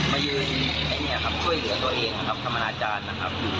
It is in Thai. มายืนช่วยเหลือตัวเองนะครับธรรมนาจารย์นะครับ